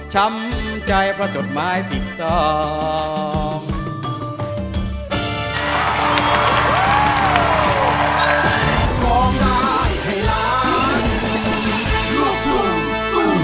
ช้ำใจเพราะจดหมายที่สอง